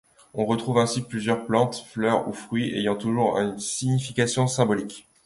On retrouve ainsi plusieurs plantes —fleurs ou fruits—, ayant toujours une signification symbolique.